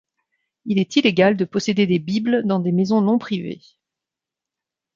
Il est illégal de posséder des bibles dans des maisons non privées.